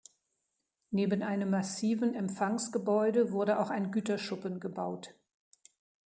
Neben einem massiven Empfangsgebäude wurde auch ein Güterschuppen gebaut.